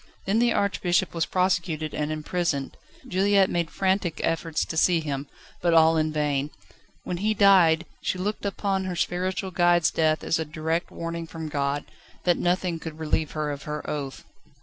Then the Archbishop was prosecuted and imprisoned. Juliette made frantic efforts to see him, but all in vain. When he died, she looked upon her spiritual guide's death as a direct warning from God, that nothing could relieve her of her oath.